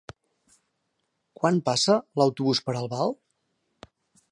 Quan passa l'autobús per Albal?